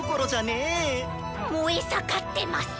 燃え盛ってます！